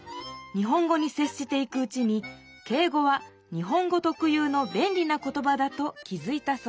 日本語にせっしていくうちに敬語は日本語とくゆうのべんりな言ばだと気づいたそうです